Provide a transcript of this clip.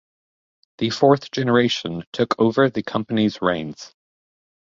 The fourth generation took over the company's reins.